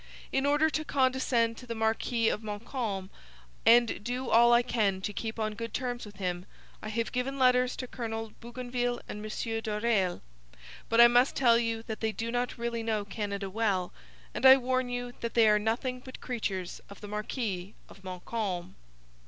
'In order to condescend to the Marquis of Montcalm and do all I can to keep on good terms with him I have given letters to Colonel Bougainville and M. Doreil. But I must tell you that they do not really know Canada well, and I warn you that they are nothing but creatures of the Marquis of Montcalm.'